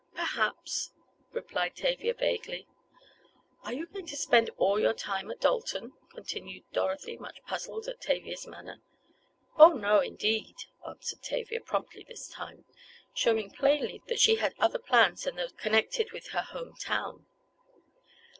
"Perhaps," replied Tavia, vaguely. "Are you going to spend all your time at Dalton?" continued Dorothy, much puzzled at Tavia's manner. "Oh, no indeed," answered Tavia, promptly this time, showing plainly, that she had other plans than those connected with her home town.